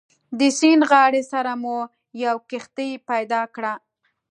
د سیند غاړې سره مو یوه کښتۍ پیدا کړه.